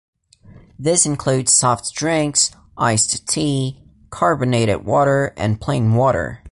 This includes soft drinks, iced tea, carbonated water, and plain water.